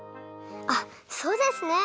あっそうですね！